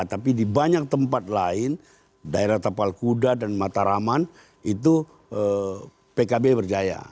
tapi di banyak tempat lain daerah tapal kuda dan mataraman itu pkb berjaya